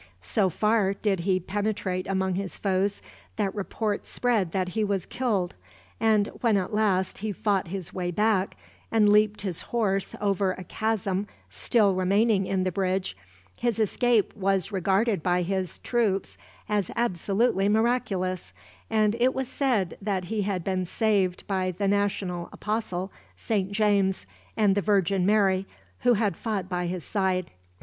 So far did he penetrate among his foes, that reports spread that he was killed; and when at last he fought his way back, and leaped his horse over a chasm still remaining in the bridge, his escape was regarded by his troops as absolutely miraculous; and it was said that he had been saved by the national Apostle, Saint James, and the Virgin Mary, who had fought by his side.